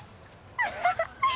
アハハッ！